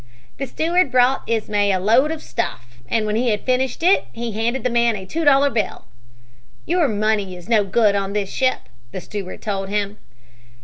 '" "The steward brought Ismay a load of stuff and when he had finished it he handed the man a two dollar bill. 'Your money is no good on this ship,' the steward told him.